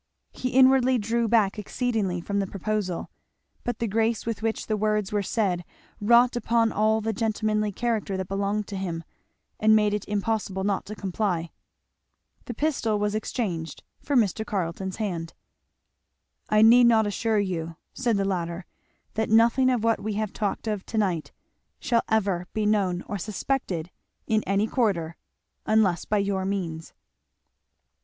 He inwardly drew back exceedingly from the proposal. But the grace with which the words were said wrought upon all the gentlemanly character that belonged to him, and made it impossible not to comply. The pistol was exchanged for Mr. Carleton's hand. "I need not assure you," said the latter, "that nothing of what we have talked of to night shall ever be known or suspected, in any quarter, unless by your means."